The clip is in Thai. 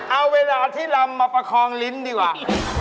เอาเวลาที่ลำมาประคองลิ้นดีกว่า